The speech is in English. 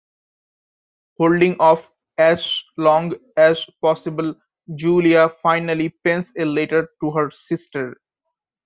Holding off as long as possible, Julia finally pens a letter to her sister.